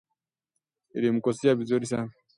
Ilimtoshea vizuri sana